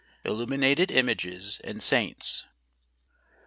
Illuminated Images and Saints